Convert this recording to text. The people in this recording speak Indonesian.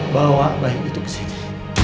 bawa bayi itu kesini